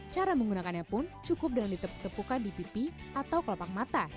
cara menggunakannya pun cukup dengan ditepuk tepukan di pipi atau kelopak mata